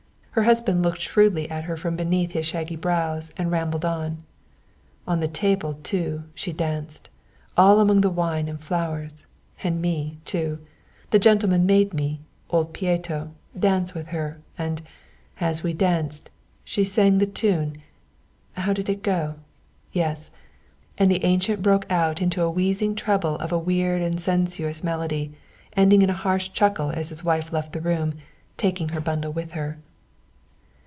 Her husband looked shrewdly at her from beneath his shaggy brows and rambled on. "On the table, too, she danced, all among the wine and the flowers and me, too. The gentlemen made me, old Pieto, dance with her, and, as we danced, she sang the tune how did it go? yes," and the ancient broke out into a wheezing treble of a weird and sensuous melody, ending in a harsh chuckle as his wife left the room, taking her bundle with her.